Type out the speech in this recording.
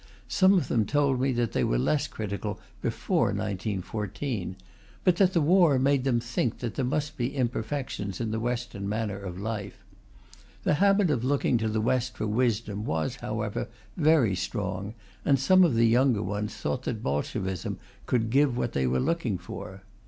Some of them told me that they were less critical before 1914, but that the war made them think there must be imperfections in the Western manner of life. The habit of looking to the West for wisdom was, however, very strong, and some of the younger ones thought that Bolshevism could give what they were looking for.